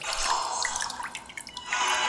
نرم اوسئ خو محکم اوسئ.